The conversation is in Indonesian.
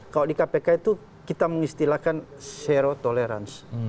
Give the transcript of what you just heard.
kalau di kpk itu kita mengistilahkan zero tolerance